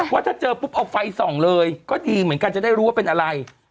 ว่าถ้าเจอปุ๊บเอาไฟส่องเลยก็ดีเหมือนกันจะได้รู้ว่าเป็นอะไร